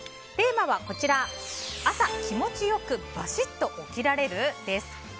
テーマは朝気持ちよくバシッと起きられる？です。